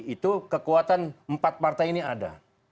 itu kekuatan empat partai ini ada